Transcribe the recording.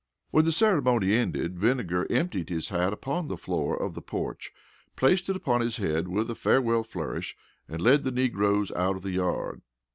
When the ceremony ended, Vinegar emptied his hat upon the floor of the porch, placed it upon his head with a farewell flourish, and led the negroes out of the yard.